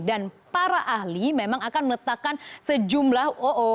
dan para ahli memang akan meletakkan sejumlah